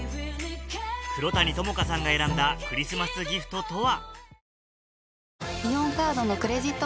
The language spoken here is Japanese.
黒谷友香さんが選んだクリスマスギフトとは？